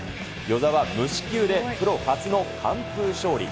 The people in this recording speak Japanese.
與座は無四球でプロ初の完封勝利。